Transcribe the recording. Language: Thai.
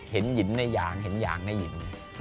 เห็นหยินในหยางเห็นหยางในหยิน